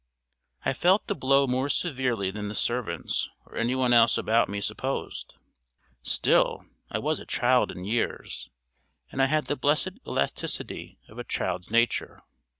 I felt the blow more severely than the servants or anyone else about me supposed. Still I was a child in years, and I had the blessed elasticity of a child's nature.